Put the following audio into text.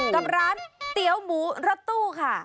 กับร้านเตี๋ยวหมูรถตู้ค่ะ